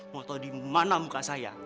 mau tau dimana muka saya